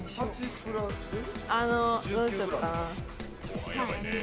どうしよっかな。